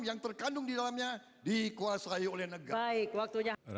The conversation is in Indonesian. yang terkandung di dalamnya dikuasai oleh negara